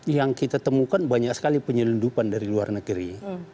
yang kita temukan banyak sekali penyelundupan dari luar negeri